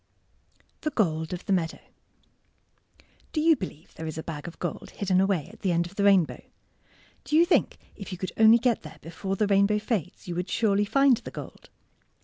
THE GOLD OF THE MEADOW Do you believe there is a bag of gold hidden away at the end of the rainbow? Do you think if you could only get there before the rainbow fades you would surely find the gold?